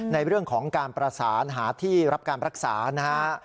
ในเรื่องของการประสานหาที่รับการรักษานะฮะ